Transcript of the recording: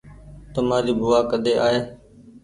تمآري بووآ ڪۮي آئي